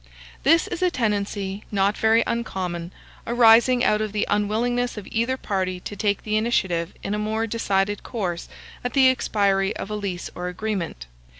This is a tenancy, not very uncommon, arising out of the unwillingness of either party to take the initiative in a more decided course at the expiry of a lease or agreement.